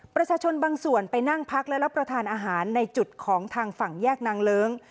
ประชาชนบางส่วนไปนั่งพักและรับประทานอาหารในจุดของทางฝั่งแยกนางเลิ้ง